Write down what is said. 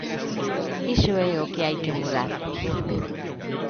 Iso é o que hai que mudar.